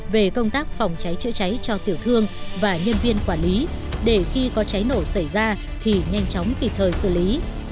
về công tác phòng cháy chữa cháy cho tiểu thương và nhân viên quản lý để khi có cháy nổ xảy ra thì nhanh chóng kịp thời xử lý